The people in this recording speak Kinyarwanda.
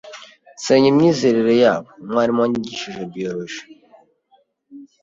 nsenya imyizerere yabo. umwalimu wanyigishaga biologie